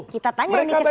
kita tanya ini ke sekarang